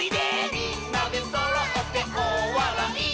「みんなでそろっておおわらい」